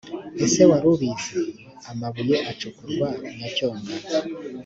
ese wari ubizi?amabuye acukurwa nyacyonga